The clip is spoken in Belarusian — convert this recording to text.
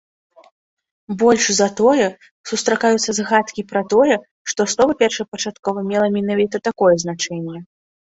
Больш за тое, сустракаюцца згадкі пра тое, што слова першапачаткова мела менавіта такое значэнне.